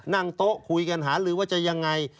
นั่งโต๊ะคุยกันหาลือว่าจะยังไง